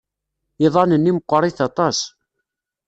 Iḍan-nni meɣɣrit aṭas.